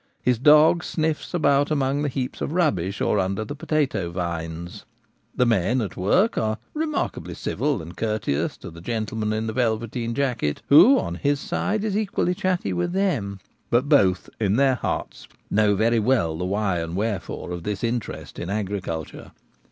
His dog sniffs about among the heaps of rubbish or under the potato vines. The men at work are remarkably civil and courteous to the gentleman in the velveteen jacket, who, on his side, is equally •chatty with them ; but both in their hearts know very well the why and wherefore of this interest in agriculture.